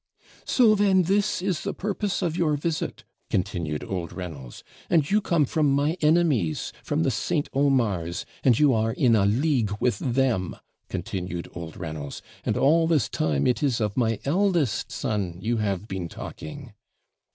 'So, then, this is the purpose of your visit,' continued old Reynolds; 'and you come from my enemies, from the St. Omars, and you are in a league with them,' continued old Reynolds; 'and all this time it is of my eldest son you have been talking.'